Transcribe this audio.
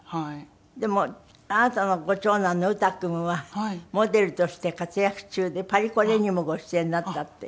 でもあなたのご長男のＵＴＡ君はモデルとして活躍中でパリコレにもご出演になったっていう。